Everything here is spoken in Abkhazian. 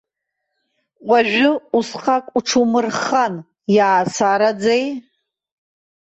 Уажәы усҟак уҽумырххан, иаасараӡеи.